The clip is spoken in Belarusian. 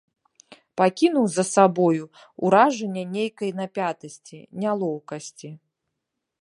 Пакінуў за сабою ўражанне нейкай напятасці, нялоўкасці.